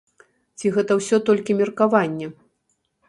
Ці гэта ўсяго толькі меркаванне?